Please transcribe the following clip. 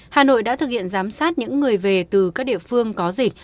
hà nội đã thực hiện giám sát những người về từ các địa phương có dịch